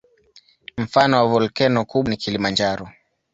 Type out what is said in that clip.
Mfano wa volkeno kubwa ni Kilimanjaro.